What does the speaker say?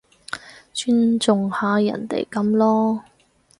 尊重下人哋噉囉